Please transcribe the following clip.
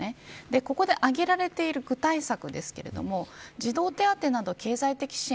ここで挙げられている具体策ですが児童手当など経済的支援